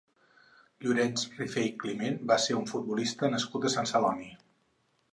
Llorenç Rifé i Climent va ser un futbolista nascut a Sant Celoni.